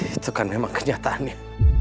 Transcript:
itu kan memang kenyataannya